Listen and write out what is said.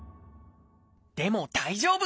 でも大丈夫！